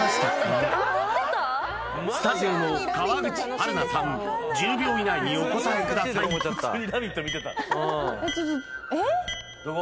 スタジオの川口春奈さん１０秒以内にお答えくださいえっと